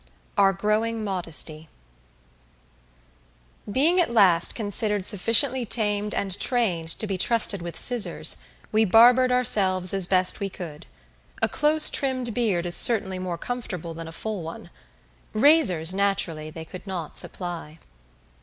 Our Growing Modesty Being at last considered sufficiently tamed and trained to be trusted with scissors, we barbered ourselves as best we could. A close trimmed beard is certainly more comfortable than a full one. Razors, naturally, they could not supply.